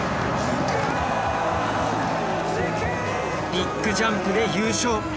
ビッグジャンプで優勝！